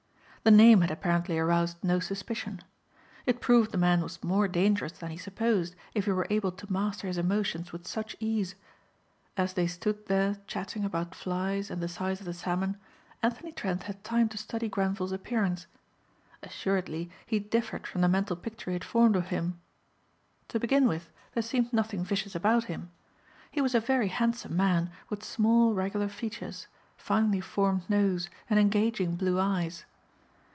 The name had apparently aroused no suspicion. It proved the man was more dangerous than he supposed if he were able to master his emotions with such ease. As they stood there chatting about flies and the size of the salmon Anthony Trent had time to study Grenvil's appearance. Assuredly he differed from the mental picture he had formed of him. To begin with there seemed nothing vicious about him. He was a very handsome man with small regular features, finely formed nose and engaging blue eyes.